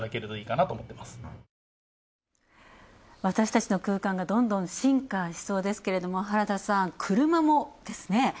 私たちの空間がどんどん進化してきそうですけれども原田さん、車もですね。